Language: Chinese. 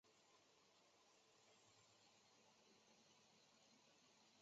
封号靖都王。